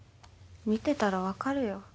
見てたら分かるよ。